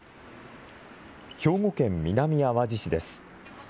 兵庫県南あわじ市です。